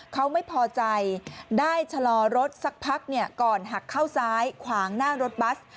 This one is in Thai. เขาไม่พอใจได้ชะลอรถสักพักก่อนหักเข้าซ้ายขวางหน้ารถบัส